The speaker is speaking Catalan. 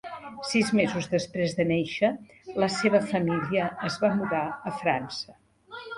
Sis mesos després de néixer, la seva família es va mudar a França.